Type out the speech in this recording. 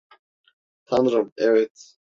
Tanrım, evet!